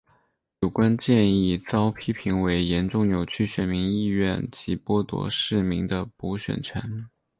有关建议遭批评为严重扭曲选民意愿及剥夺市民的补选权。